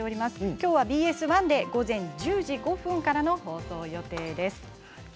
きょうはＢＳ１で午前１０時５分からの放送予定です。